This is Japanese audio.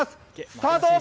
スタート！